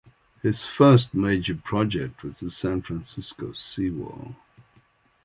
His first major project was the San Francisco seawall.